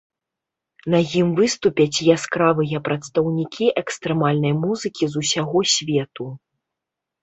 На ім выступяць яскравыя прадстаўнікі экстрэмальнай музыкі з усяго свету.